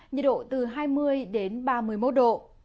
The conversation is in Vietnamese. nhiệt độ từ hai mươi đến ba mươi một độ